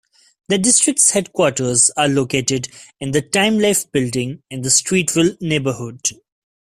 The district's headquarters are located in the Time-Life Building in the Streeterville neighborhood.